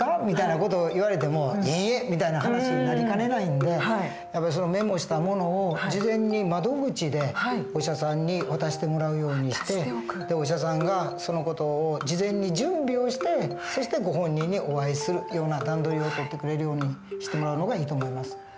みたいな事を言われても「いいえ」みたいな話になりかねないんでメモしたものを事前に窓口でお医者さんに渡してもらうようにしてお医者さんがその事を事前に準備をしてそしてご本人にお会いするような段取りを取ってくれるようにしてもらうのがいいと思います。